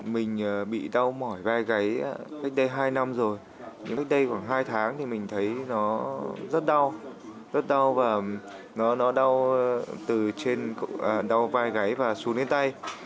mình bị đau mỏi vai gáy cách đây hai năm rồi nhưng cách đây khoảng hai tháng thì mình thấy nó rất đau rất đau và nó đau từ đau vai gáy và xuống đến tay